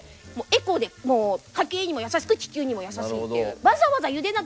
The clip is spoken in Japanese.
エコでもう家計にも優しく地球にも優しいっていう。